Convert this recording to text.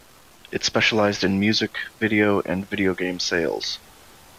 It specialized in music, video, and video game sales.